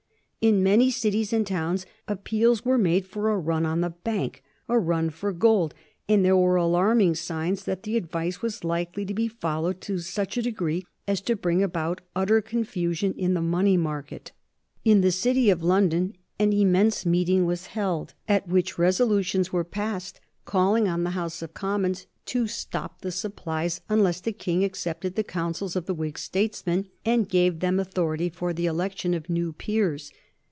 In many cities and towns appeals were made for a run on the bank, a run for gold, and there were alarming signs that the advice was likely to be followed to such a degree as to bring about utter confusion in the money market. In the City of London an immense meeting was held, at which resolutions were passed calling on the House of Commons to stop the supplies unless the King accepted the councils of the Whig statesmen and gave them authority for the election of new peers.